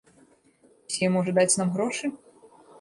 Расія можа даць нам грошы?